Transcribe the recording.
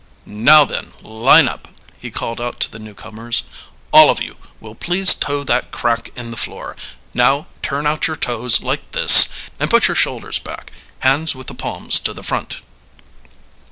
"Now then, line up!" he called out to the newcomers. "All of you will please toe that crack in the floor; now turn out your toes like this, and put your shoulders back, hands with the palms to the front."